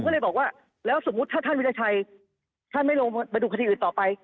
ก็เลยบอกว่าแล้วสมมุติถ้าท่านวิทยาชัยท่านไม่ลงไปดูคดีอื่นต่อไป